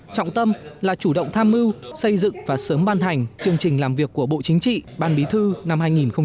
trọng tâm là chủ động tham mưu xây dựng và sớm ban hành chương trình làm việc của bộ chính trị ban bí thư năm hai nghìn một mươi chín